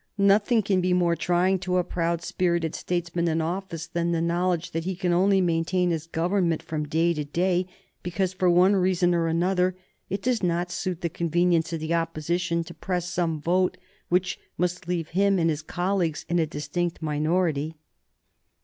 Nothing can be more trying to a proud spirited statesman in office than the knowledge that he can only maintain his Government, from day to day, because, for one reason or another, it does not suit the convenience of the Opposition to press some vote which must leave him and his colleagues in a distinct minority.